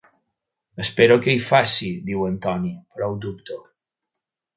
"Espero que hi faci", diu en Toni, "però ho dubto".